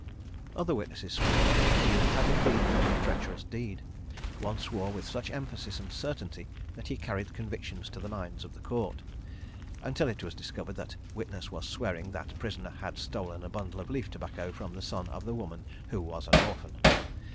Other witnesses swore that the accused had indeed done the treacherous deed. One swore with such emphasis and certainty that he carried conviction to the minds of the Court—until it was discovered that witness was swearing that prisoner had stolen a bundle of leaf tobacco from the son of the woman who was an orphan.